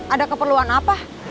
ada keperluan apa